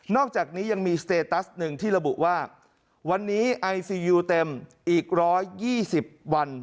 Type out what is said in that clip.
อกจากนี้ยังมีสเตตัสหนึ่งที่ระบุว่าวันนี้ไอซียูเต็มอีก๑๒๐วัน